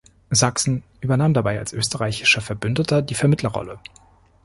Sachsen übernahm dabei als österreichischer Verbündeter die Vermittlerrolle.